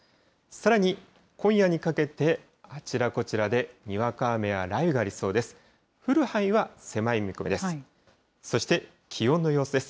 さらに今夜にかけて、あちらこちらでにわか雨や雷雨がありそうです。